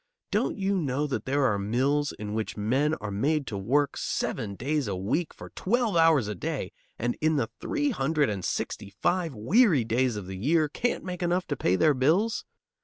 Don't you know that there are mills in which men are made to work seven days in the week for twelve hours a day, and in the three hundred and sixty five weary days of the year can't make enough to pay their bills?